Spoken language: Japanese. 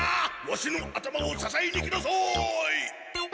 ワシの頭をささえに来なさい！